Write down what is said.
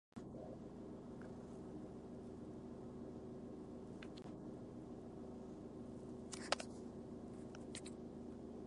Sus restos reposan en la necrópolis de dicha ciudad.